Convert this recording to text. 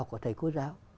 của thầy cô giáo